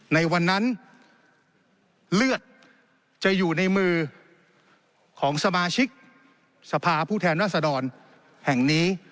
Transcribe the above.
ในวันนั้นเลือดจะอยู่ในมือของสมาชิกสภาผู้แทนรัศดรแห่งนี้